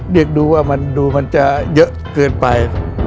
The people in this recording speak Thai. เรียกดูว่ามันดูมันจะเยอะเกินไป